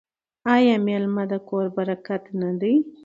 آیا میلمه د کور برکت نه دی؟